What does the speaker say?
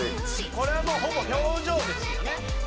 「これはもうほぼ表情ですよね」